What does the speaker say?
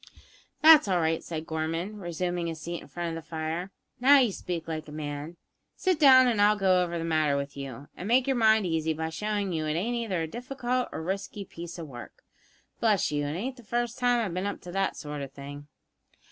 "That's all right," said Gorman, resuming his seat in front of the fire; "now you speak like a man. Sit down and I'll go over the matter with you, and make your mind easy by showing you that it ain't either a difficult or risky piece of work. Bless you, it ain't the first time I've been up to that sort o' thing."